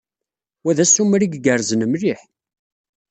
Wa d assumer ay igerrzen mliḥ.